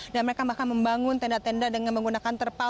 dan mereka bahkan membangun tenda tenda dengan menggunakan terpal